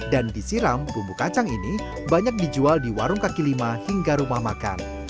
dan disiram bumbu kacang ini banyak dijual di warung kaki lima hingga rumah makan